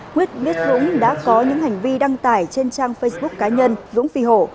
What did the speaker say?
nguyễn viết dũng đã có những hành vi đăng tải trên trang facebook cá nhân dũng phi hổ